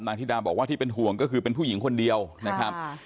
ธิดาบอกว่าที่เป็นห่วงก็คือเป็นผู้หญิงคนเดียวนะครับ